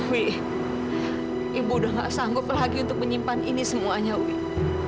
wih ibu udah gak sanggup lagi untuk menyimpan ini semuanya wih